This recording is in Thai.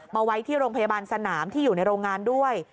มาไว้ที่โรงพยาบาลสนามที่อยู่ในโรงงานด้วย